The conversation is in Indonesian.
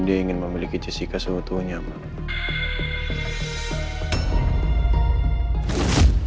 dia ingin memiliki jessica seumur tuanya mama